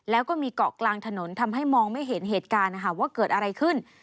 แล้วก็มีเกาะกลางถนนทำให้มองไม่เห็นเหตุการณ์ว่าเกิดอะไรขึ้น